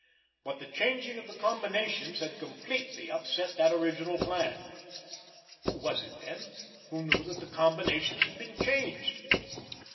But the changing of the combinations had completely upset that original plan. Who was it, then, who knew that the combinations had been changed?